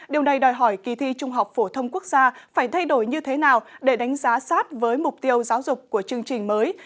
điều này đòi hỏi kỳ thi trung học phổ thông quốc gia phải thay đổi như thế nào để đánh giá sát với mục tiêu giáo dục của chương trình mới